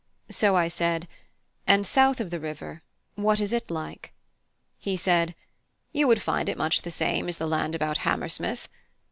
So I said: "And south of the river, what is it like?" He said: "You would find it much the same as the land about Hammersmith.